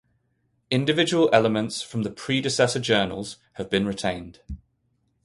Individual elements from the predecessor journals have been retained.